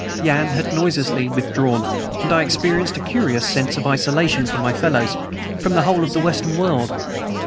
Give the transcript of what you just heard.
Yan had noiselessly withdrawn, and I experienced a curious sense of isolation from my fellows from the whole of the Western world.